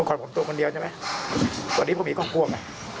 ก่อนผมตัวมันเดียวตอนนี้ผมมีก้อคว่ง